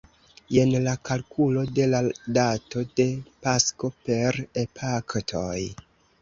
Jen la kalkulo de la dato de Pasko per epaktoj.